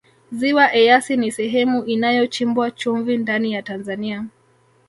ziwa eyasi ni sehemu inayochimbwa chumvi ndani ya tanzania